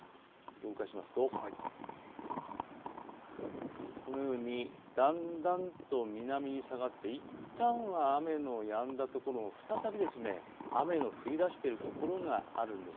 動かしますとこのようにだんだんと南に下がって、いったんは雨のやんだ所も再び雨の降りだしているところがあるんです。